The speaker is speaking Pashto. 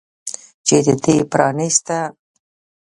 چې د دې پرانستنه